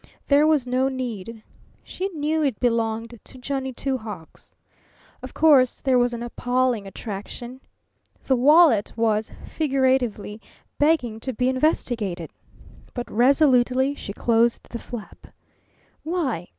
There was no need. She knew it belonged to Johnny Two Hawks. Of course there was an appalling attraction. The wallet was, figuratively, begging to be investigated. But resolutely she closed the flap. Why?